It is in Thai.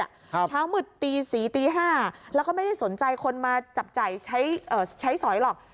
เช้าหมึดตี๔๕แล้วก็ไม่ได้สนใจคนมาจับจ่ายใช้สอยหรอก